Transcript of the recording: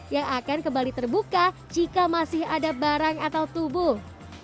yang akan kembali terbuka jika masih ada barang atau tubuh